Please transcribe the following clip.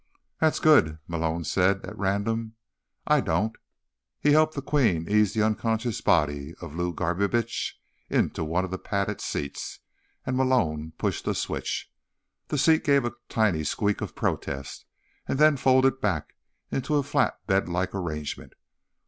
"That's good," Malone said at random. "I don't." He helped the Queen ease the unconscious body of Luba Garbitsch into one of the padded seats, and Malone pushed a switch. The seat gave a tiny squeak of protest, and then folded back into a flat bedlike arrangement.